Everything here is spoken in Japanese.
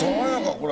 これ。